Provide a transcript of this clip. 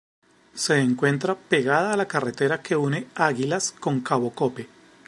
Se encuentra pegada a la carretera que une Águilas con Cabo Cope.